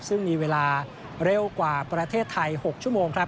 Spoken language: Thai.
ซึ่งมีเวลาเร็วกว่าประเทศไทย๖ชั่วโมงครับ